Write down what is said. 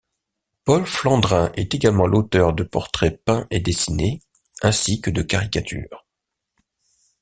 Paul Flandrin est également l'auteur de portraits peints et dessinés, ainsi que de caricatures.